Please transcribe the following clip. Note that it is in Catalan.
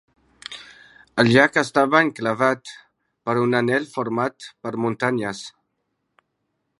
El llac estava enclavat per un anell format per muntanyes.